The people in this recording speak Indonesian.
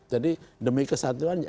jadi demi kesatuan